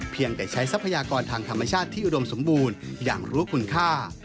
เพียงแต่ใช้ทรัพยากรทางธรรมชาติที่อุดมสมบูรณ์อย่างรู้คุณค่า